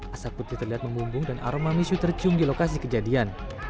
asap putih terlihat membumbung dan aroma misu tercium di lokasi kejadian